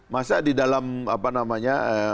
masa di dalam apa namanya